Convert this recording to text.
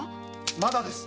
まだです。